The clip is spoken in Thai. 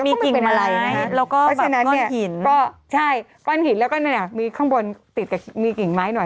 มีกิ่งมาลัยแล้วก็แบบก้อนหินก็ใช่ก้อนหินแล้วก็นั่นอ่ะมีข้างบนติดกับมีกิ่งไม้หน่อย